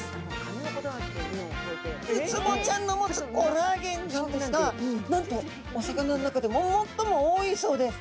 ウツボちゃんの持つコラーゲンなんですが、なんとお魚の中で最も多いそうです。